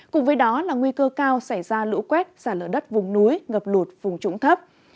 cùng với đó là nguy cơ cao xảy ra lũ quét xả lỡ đất vùng núi ngập lụt vùng trũng thấp